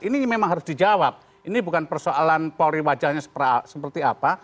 ini memang harus dijawab ini bukan persoalan polri wajahnya seperti apa